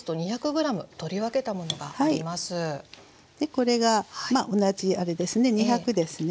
これが同じあれですね２００ですね。